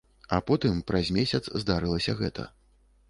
А потым праз месяц здарылася гэта.